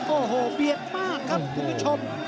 โอ้โหเบียดมากครับคุณผู้ชม